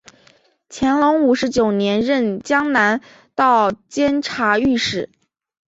乾隆五十九年任江南道监察御史。